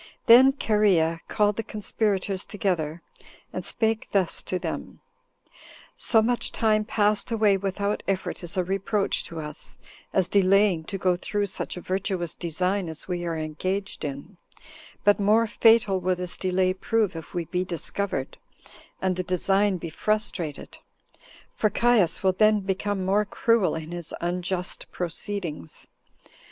Then Cherea called the conspirators together, and spake thus to them: "So much time passed away without effort is a reproach to us, as delaying to go through such a virtuous design as we are engaged in; but more fatal will this delay prove if we be discovered, and the design be frustrated; for Caius will then become more cruel in his unjust proceedings.